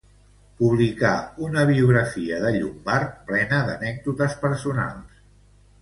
Publicà una biografia de Llombart plena d'anècdotes personals.